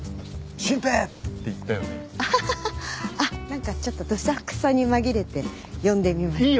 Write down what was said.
何かちょっとどさくさに紛れて呼んでみました。